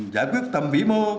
giải quyết tầm vĩ mô